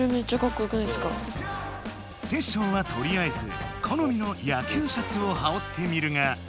テッショウはとりあえずこのみの野球シャツをはおってみるが。